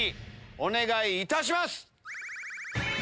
お願いいたします！